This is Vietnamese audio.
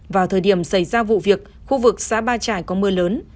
vào thời điểm xảy ra vụ việc khu vực xã ba trải có mưa lớn